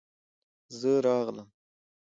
زه راغلم.